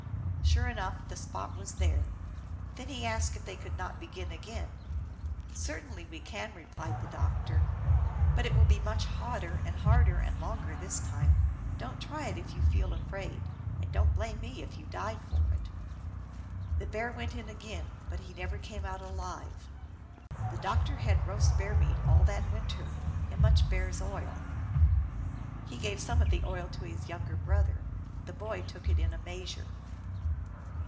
Sure enough, the spot was there. Then he asked if they could not begin again. " Certainly we can," replied the doctor. " But it will be much hotter and harder and longer this time. Don t try it if you feel afraid, and don t blame me if you die of it." The Bear went in again, but he never came out alive. The doctor had roast bear meat all that win ter, and much bear s oil. He gave some of the oil to his younger brother. The boy took it in a measure.